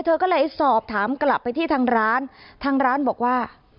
เธอก็เลยสอบถามกลับไปที่ทางร้านทางร้านบอกว่า